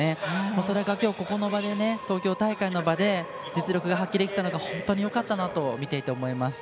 それが、きょうここの場で東京大会の場で実力が発揮できたのが本当によかったなと見ていて思いました。